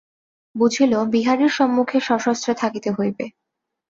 বুঝিল, বিহারীর সম্মুখে সশস্ত্রে থাকিতে হইবে।